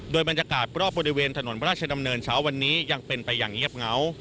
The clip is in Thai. โดยบรรยากาศรอบบริเวณถนนพระราชดำเนินเช้าวันนี้ยังเป็นไปอย่างเงียบเหงา